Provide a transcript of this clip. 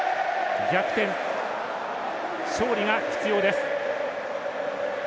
逆転、勝利が必要です。